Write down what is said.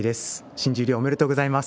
新十両おめでとうございます。